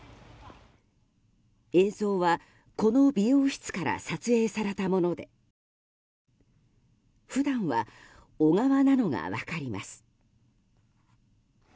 映像はこの美容室から撮影されたもので普段は小川なのが分かります。